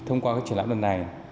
thông qua truyền lãm lần này